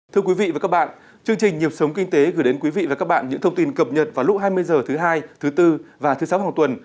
thưa quý vị và các bạn chương trình nhịp sống kinh tế gửi đến quý vị và các bạn những thông tin cập nhật vào lúc hai mươi h thứ hai thứ bốn và thứ sáu hàng tuần